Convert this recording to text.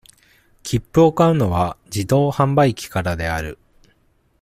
切符を買うのは、自動販売機からである。